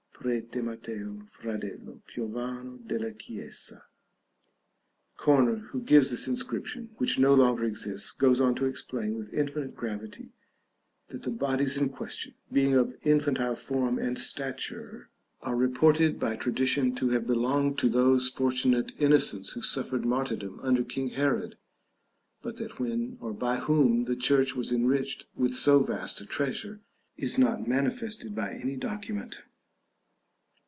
Prete Matteo Fradello, piovano della chiesa." Corner, who gives this inscription, which no longer exists, goes on to explain with infinite gravity, that the bodies in question, "being of infantile form and stature, are reported by tradition to have belonged to those fortunate innocents who suffered martyrdom under King Herod; but that when, or by whom, the church was enriched with so vast a treasure, is not manifested by any document."